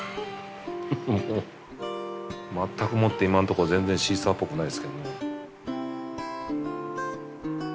もうまったくもって今のとこ全然シーサーっぽくないですけどね。